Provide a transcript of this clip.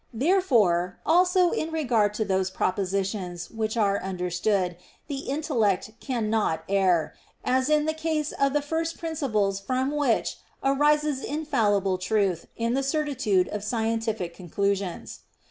Therefore, also in regard to those propositions, which are understood, the intellect cannot err, as in the case of first principles from which arises infallible truth in the certitude of scientific conclusions.